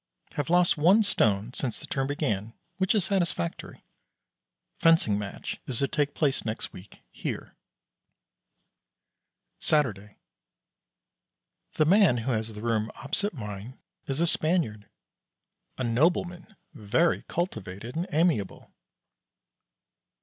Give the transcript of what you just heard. Have lost one stone since the term began, which is satisfactory. Fencing match is to take place next week, here. Saturday. The man who has the rooms opposite mine is a Spaniard. A nobleman very cultivated and amiable.